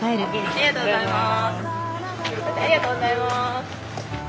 ありがとうございます。